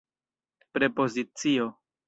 prepozicio